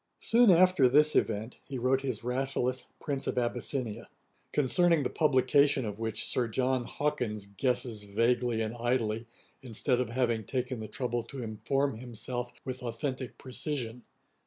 ] Soon after this event, he wrote his Rasselas, Prince of Abyssinia; concerning the publication of which Sir John Hawkins guesses vaguely and idly, instead of having taken the trouble to inform himself with authentick precision.